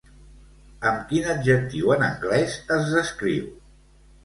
Amb quin adjectiu en anglès es descriu?